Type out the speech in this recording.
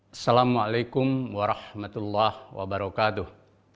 assalamualaikum warahmatullahi wabarakatuh